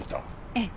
ええ。